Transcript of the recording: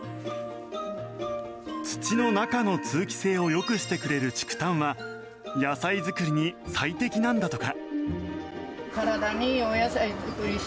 土の中の通気性をよくしてくれる竹炭は野菜作りに最適なんだとか。